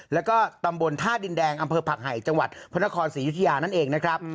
และก็ตำบนทาสดินแดงอำเพิ่รผักไหจังหวัดเพราณคอร์ศสี่ยุธิยานั่นเองนะครับ